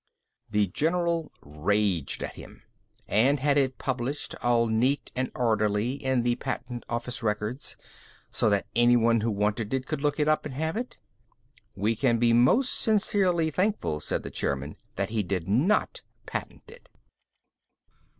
The general raged at him. "And had it published, all neat and orderly, in the patent office records so that anyone who wanted it could look it up and have it?" "We can be most sincerely thankful," said the chairman, "that he did not patent it."